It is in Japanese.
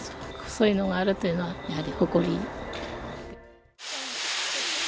そういうのがあるというのは、やはり誇り。